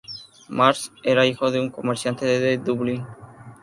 Marsden era hijo de un comerciante de Dublín.